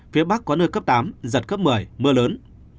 phía bắc có nơi cấp tám giật cấp một mươi mưa lớn